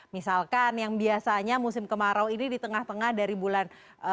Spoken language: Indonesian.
misalkan yang biasanya musim kemarau ini di tengah tengah dari bulan